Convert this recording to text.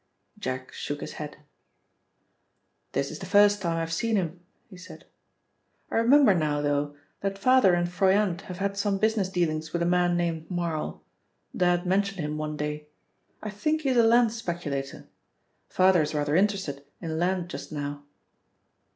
Jack shook his head. "This is the first time I've seen him," he said. "I remember now, though, that father and Froyant have had some business dealings with a man named Marl Dad mentioned him one day. I think he is a land speculator. Father is rather interested in land just now.